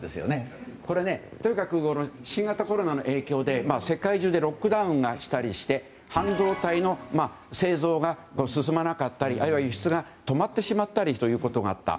とにかく新型コロナの影響で世界中でロックダウンしたりして半導体の製造が進まなかったりあるいは輸出が止まってしまったりということがあった。